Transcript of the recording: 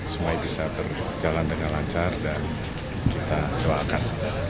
semuanya bisa berjalan dengan lancar dan kita doakan